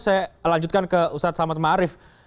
saya lanjutkan ke ustadz salmat ma'arif